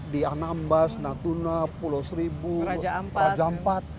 di anambas natuna pulau seribu raja ampat